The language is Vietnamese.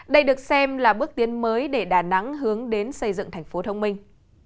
đây được xem là bước tiến mới để đà nẵng hướng đến xây dựng thành phố thông minh